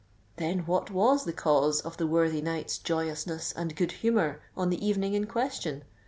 "Then, what was the cause of the worthy knight's joyousness and good humour on the evening in question?"